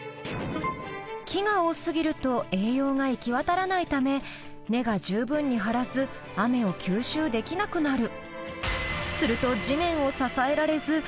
木が多すぎると栄養が行き渡らないため根が十分に張らず雨を吸収できなくなる。